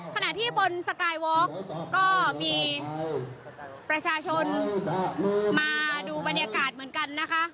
ขณะที่บนสกายวอล์กก็มีประชาชนมาดูบรรยากาศเหมือนกันนะคะ